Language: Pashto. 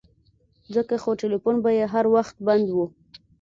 ځکه خو ټيلفون به يې هر وخت بند و.